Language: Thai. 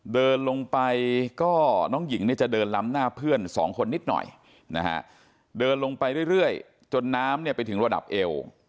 เดินลงไปก็น้องหญิงเนี่ยจะเดินล้ำหน้าเพื่อนสองคนนิดหน่อยนะฮะเดินลงไปเรื่อยจนน้ำเนี่ยไปถึงระดับเอว